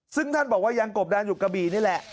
ซึ่งท่านบอกว่ายังกบดานอยู่กระบี่นี่แหละ